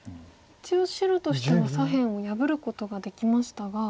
一応白としては左辺を破ることができましたが。